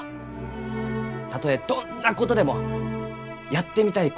たとえどんなことでもやってみたいことはやるべきです！